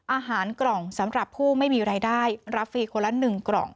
อาหารกล่องสำหรับผู้ไม่มีรายได้รับฟรีคนละ๑กล่อง